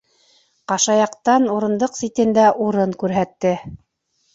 Ҡашаяҡтан урындыҡ ситендә урын күрһәтте.